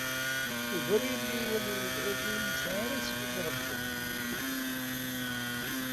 Yuba ur yelli ara yesɛa iɣeblan.